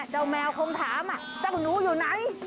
แมวคงถามเจ้าหนูอยู่ไหน